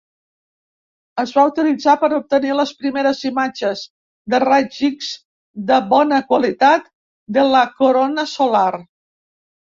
Es va utilitzar per obtenir les primeres imatges de raigs X de bona qualitat de la corona solar.